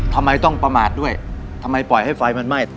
ทำไมต้องประมาทด้วยทำไมปล่อยให้ไฟมันไหม้